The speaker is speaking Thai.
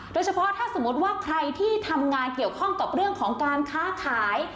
โดยเฉพาะถ้าสมมติว่าใครที่ทำงานเกี่ยวข้องกับเรื่องของการค้าขาย